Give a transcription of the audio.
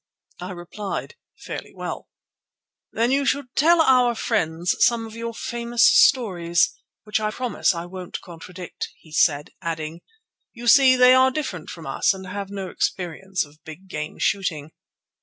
I replied, "Fairly well." "Then you should tell our friends some of your famous stories, which I promise I won't contradict," he said, adding: "You see, they are different from us, and have no experience of big game shooting."